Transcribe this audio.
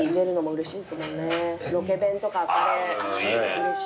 うれしい。